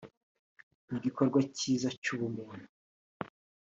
ni igikorwa cyiza cy’ubumuntu